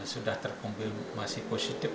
sudah terkompirmasi positif